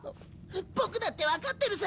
ボクだってわかってるさ。